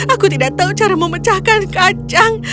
aku tidak tahu cara memecahkan kacang